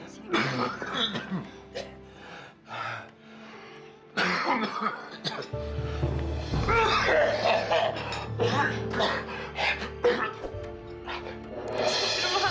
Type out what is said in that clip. rate pukuh keluar